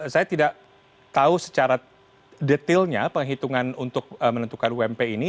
saya tidak tahu secara detailnya penghitungan untuk menentukan ump ini